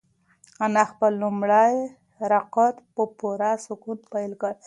انا خپل لومړی رکعت په پوره سکون پیل کړ.